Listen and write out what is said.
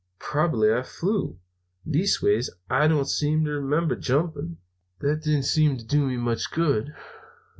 Probably I flew; leastways I don't seem to remember jumping. "That didn't seem to do me much good.